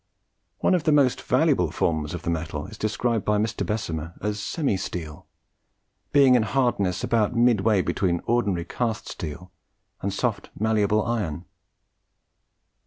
One of the most valuable forms of the metal is described by Mr. Bessemer as "semi steel," being in hardness about midway between ordinary cast steel and soft malleable iron.